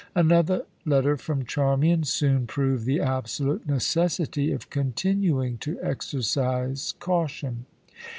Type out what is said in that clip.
Another letter from Charmian soon proved the absolute necessity of continuing to exercise caution.